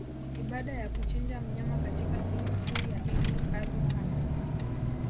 ibada ya kuchinja mnyama katika sikukuu ya Idi Adhu ha